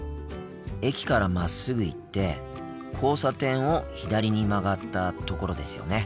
駅からまっすぐ行って交差点を左に曲がったところですよね？